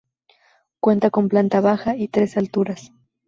Cuenta con planta baja y tres alturas.